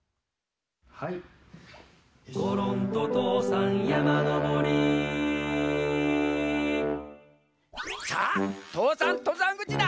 「ごろんととうさんやまのぼり」さあ父山とざんぐちだ。